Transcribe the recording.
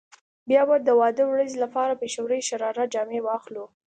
بيا به د واده ورځې لپاره پيښورۍ شراره جامې واخلو.